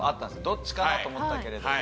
どっちかなと思ったけれども。